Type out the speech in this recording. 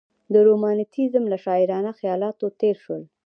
د رومانتیزم له شاعرانه خیالاتو تېر شول.